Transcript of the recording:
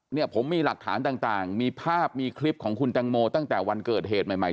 เนี่ยผมมีหลักฐานต่างมีภาพมีคลิปของคุณตังโมตั้งแต่วันเกิดเหตุใหม่ใหม่